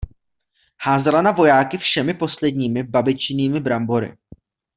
Házela na vojáky všemi posledními babiččinými brambory.